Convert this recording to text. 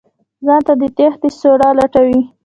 ځان ته د تېښتې سوړه لټوي.